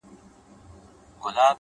خو دا لمر بيا په زوال د چا د ياد ،